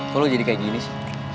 kok lo jadi kayak gini sih